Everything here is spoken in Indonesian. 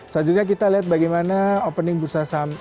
selanjutnya kita lihat bagaimana opening bursa saham